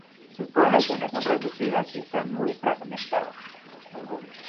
Sus poblaciones son reducidas y están muy fragmentadas.